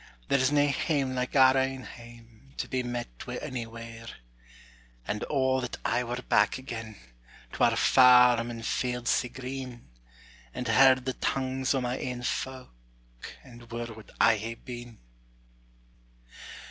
There's nae hame like our ain hame To be met wi' onywhere; And O that I were back again, To our farm and fields sae green; And heard the tongues o' my ain folk, And were what I hae been!